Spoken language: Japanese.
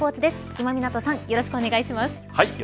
今湊さんよろしくお願いします